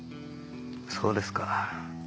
そうですか。